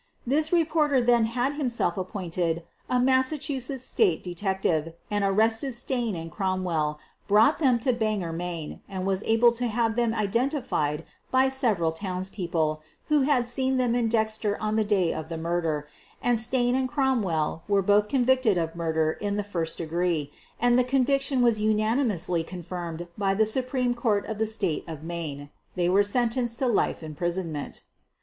This reporter then had himself appointed a Massachusetts State detective and arrested Stain and Cromwell, brought them to Bangor, Maine, was able to have them identified by several townspeople who had seen them in Dexter on the day of the mur der, and Stain and Cromwell were both convicted of murder in the first degree, and the conviction was unanimously confirmed by the Supreme Court of the State of Maine. They were sentenced to life im prisonment.